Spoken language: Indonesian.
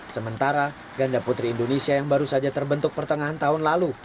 sementara ganda putri indonesia yang baru saja terbentuk pertengahan tahun lalu